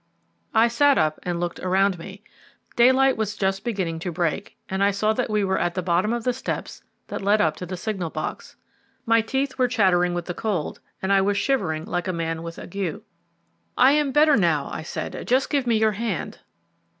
I sat up and looked around me. Daylight was just beginning to break, and I saw that we were at the bottom of the steps that led up to the signal box. My teeth were chattering with the cold and I was shivering like a man with ague. "I am better now," I said; "just give me your hand."